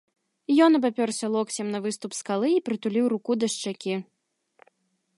Ён абапёрся локцем на выступ скалы і прытуліў руку да шчакі.